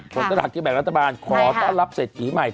ขอต้อนรับที่แบบรัฐบาลขอต้อนรับเศรษฐีใหม่